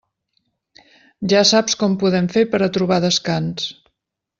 Ja saps com podem fer per a trobar descans.